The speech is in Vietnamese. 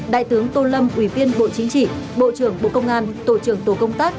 đại tướng tô lâm ủy viên bộ chính trị bộ trưởng bộ công an tổ trưởng tổ công tác